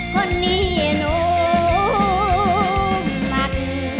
คนนี้หนูหมัด